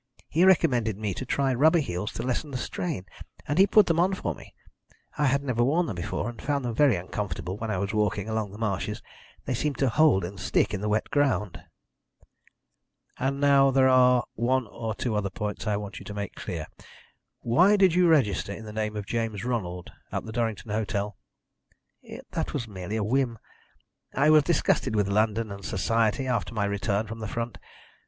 He recommended me to try rubber heels to lessen the strain, and he put them on for me. I had never worn them before, and found them very uncomfortable when I was walking along the marshes. They seemed to hold and stick in the wet ground." "And now there are one or two other points I want you to make clear. Why did you register in the name of James Ronald at the Durrington Hotel?" "That was merely a whim. I was disgusted with London and society after my return from the front.